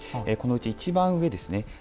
このうち一番上ですね。